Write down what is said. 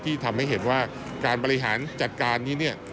ที่ทำให้เห็นว่าการบริหารจัดการนี้เนี่ย